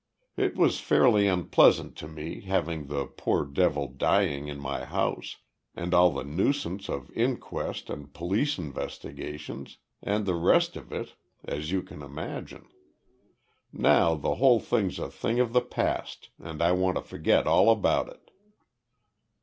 It was fairly unpleasant to me having the poor devil dying in my house, and all the nuisance of inquest and police investigations, and the rest of it as you can imagine. Now the whole thing's a thing of the past, and I want to forget all about it."